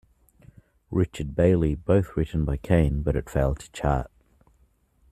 Richard Bailey, both written by Cane, but it failed to chart.